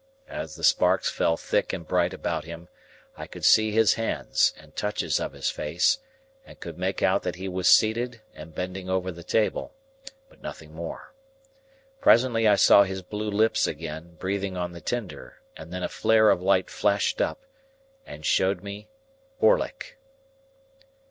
As the sparks fell thick and bright about him, I could see his hands, and touches of his face, and could make out that he was seated and bending over the table; but nothing more. Presently I saw his blue lips again, breathing on the tinder, and then a flare of light flashed up, and showed me Orlick.